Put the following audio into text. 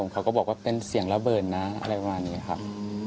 เขาก็บอกว่าเป็นเสียงระเบิดนะอะไรประมาณนี้ครับ